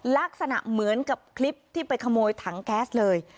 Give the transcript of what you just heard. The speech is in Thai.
ลักษณะเหมือนกับคลิปที่ไปขโมยถังแก๊สเลย